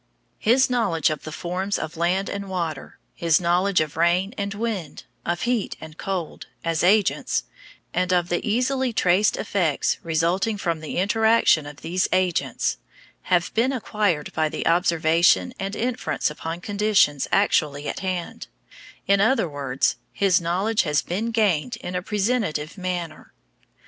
His knowledge of the forms of land and water, his knowledge of rain and wind, of heat and cold, as agents, and of the easily traced effects resulting from the interaction of these agents, have been acquired by observation and inference upon conditions actually at hand; in other words, his knowledge has been gained in a presentative manner.